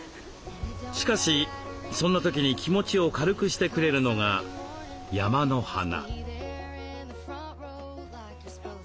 しかしそんな時に気持ちを軽くしてくれるのが山の花。